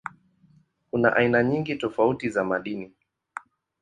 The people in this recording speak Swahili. Kuna aina nyingi tofauti za madini.